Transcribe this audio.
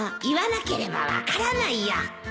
言わなければ分からないよ